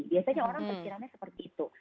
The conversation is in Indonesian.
biasanya orang pikirannya seperti itu